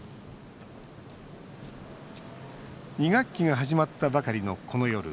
２学期が始まったばかりのこの夜。